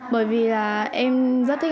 bởi vì là em rất thích